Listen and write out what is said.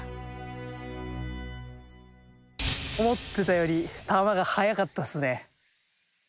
思ってたより球が速かったっすね。